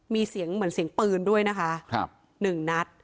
มีเสียงเหมือนเสียงปืนด้วยนะคะหนึ่งนัด